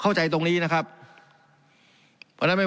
การปรับปรุงทางพื้นฐานสนามบิน